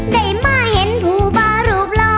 ใดมาเห็นผู้บารูปลอ